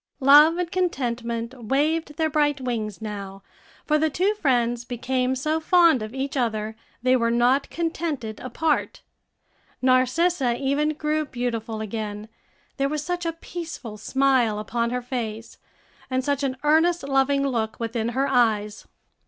Love and Contentment waved their bright wings now; for the two friends became so fond of each other they were not contented apart. Narcissa even grew beautiful again, there was such a peaceful smile upon her face, and such an earnest, loving look within her eyes.